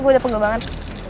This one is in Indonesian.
gue udah pegel banget